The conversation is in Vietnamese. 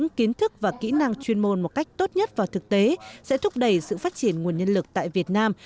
những kiến thức và kỹ năng chuyên môn một cách tốt nhất vào thực tế sẽ thúc đẩy sự phát triển nguồn nhân lực tại việt nam